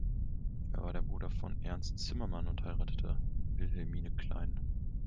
Er war der Bruder von Ernst Zimmermann und heiratete Wilhelmine Klein.